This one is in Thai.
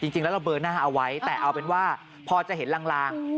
จริงแล้วเราเบอร์หน้าเอาไว้แต่เอาเป็นว่าพอจะเห็นลาง